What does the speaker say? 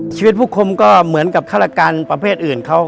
ชีวิตผู้คมก็เหมือนกับฆาตการประเภทอื่นเขา